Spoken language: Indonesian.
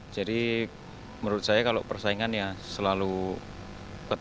jadi menurut saya kalau persaingan ya selalu ketat